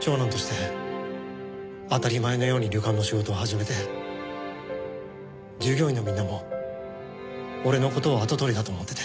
長男として当たり前のように旅館の仕事を始めて従業員のみんなも俺の事を跡取りだと思ってて。